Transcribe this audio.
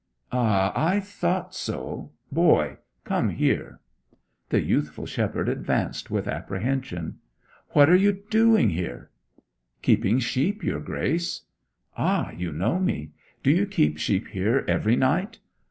'Ah, I thought so! Boy, come here.' The youthful shepherd advanced with apprehension. 'What are you doing here?' 'Keeping sheep, your Grace.' 'Ah, you know me! Do you keep sheep here every night?'